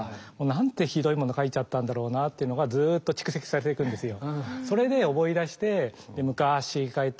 なんてひどいもの書いちゃったんだろうなっていうのがずっと蓄積されていくんですよ。